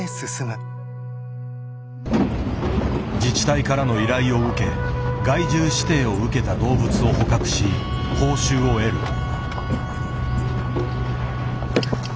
自治体からの依頼を受け害獣指定を受けた動物を捕獲し報酬を得る。